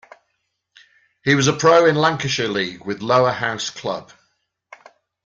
He was a pro in Lancashire League with Lower House Club.